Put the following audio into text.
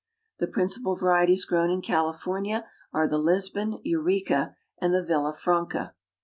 The principal varieties grown in California are the Lisbon, Eureka and the Villa Franca.